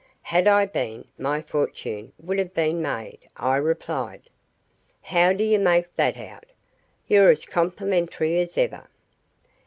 "Had I been, my fortune would have been made," I replied. "How do you make that out? You're as complimentary as ever."